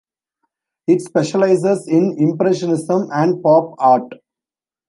It specialises in Impressionism and Pop art.